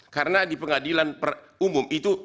karena di pengadilan umum itu